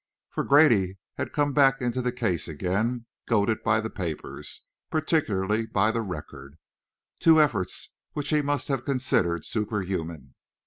For Grady had come back into the case again, goaded by the papers, particularly by the Record, to efforts which he must have considered superhuman.